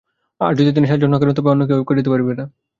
আর যদি তিনি সাহায্য না করেন, তবে অন্য কেহই করিতে পারিবে না।